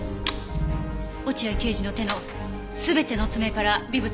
落合刑事の手の全ての爪から微物が採取されました。